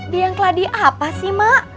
bilang ke ladi apa sih ma